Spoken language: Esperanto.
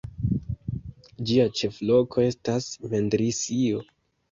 Ĝia ĉefloko estas Mendrisio.